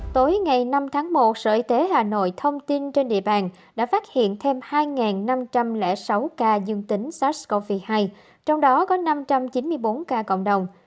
tối ngày năm tháng một sở y tế hà nội thông tin trên địa bàn đã phát hiện thêm hai năm trăm linh sáu ca dương tính sars cov hai trong đó có năm trăm chín mươi bốn ca cộng đồng